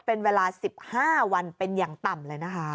เป็นเวลา๑๕วันเป็นอย่างต่ำเลยนะคะ